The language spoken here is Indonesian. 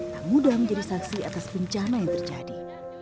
tak mudah menjadi saksi atas bencana yang terjadi